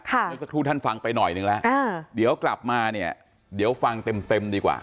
ค่ะนึกสักทุกท่านฟังไปหน่อยหนึ่งแล้วเอ้าเดี๋ยวกลับมาเนี้ยเดี๋ยวฟังเต็มดีกว่า